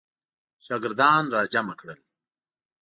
شاګردان را جمع کړل.